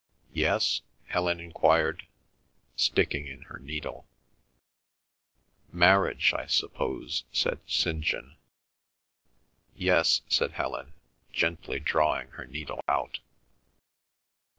"Yes?" Helen enquired, sticking in her needle. "Marriage, I suppose," said St. John. "Yes," said Helen, gently drawing her needle out.